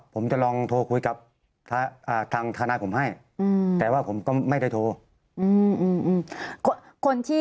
ผมจะลองโทรคุยกับทางทนายผมให้แต่ว่าผมก็ไม่ได้โทร